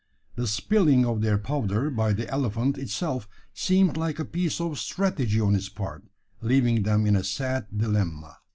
The spilling of their powder by the elephant itself seemed like a piece of strategy on his part, leaving them in a sad dilemma.